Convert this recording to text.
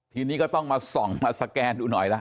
ทีนี้ก็ต้องมาส่องมาสแกนดูหน่อยละ